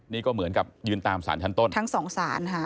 นี่ก็เหมือนกับยืนตามศาลชั้นต้นทั้ง๒ศาล